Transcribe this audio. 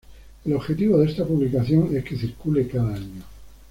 El objetivo de esta publicación es que circule cada año.